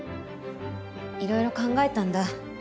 いろいろ考えたんだ。